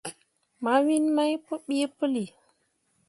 Mawin main pǝbeʼ pǝlli.